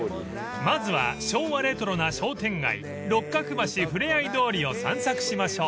［まずは昭和レトロな商店街六角橋ふれあい通りを散策しましょう］